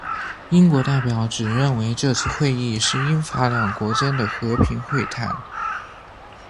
英国代表只认为这次的会议是英法两国间的和平会谈。